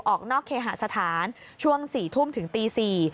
ออกนอกเคหาสถานช่วง๔ทุ่มถึงตี๔